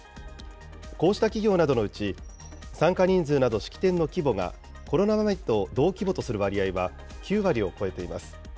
こうした企業などのうち、参加人数など、式典の規模がコロナ前と同規模とする割合は９割を超えています。